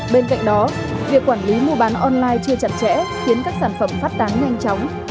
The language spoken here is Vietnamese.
bên cạnh đó việc quản lý mua bán online chưa chặt chẽ khiến các sản phẩm phát tán nhanh chóng